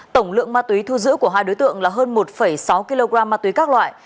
tổng lượng ma túy thu giữ của hai đối tượng là hơn một sáu kg ma túy các loại